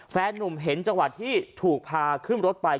แฟนนุ่มเห็นจังหวะที่ถูกพาขึ้นรถไป